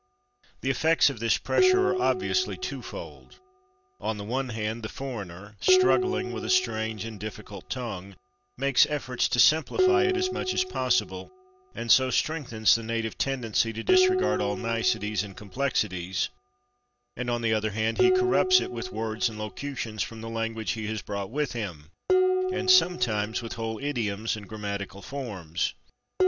The effects of this pressure are obviously two fold; on the one hand the foreigner, struggling with a strange and difficult tongue, makes efforts to simplify it as much as possible, and so strengthens the native tendency to disregard all niceties and complexities, and on the other hand he corrupts it with words and locutions from the language he has brought with him, and sometimes with whole idioms and grammatical forms.